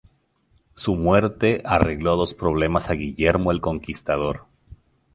Su muerte arregló dos problemas a Guillermo el Conquistador.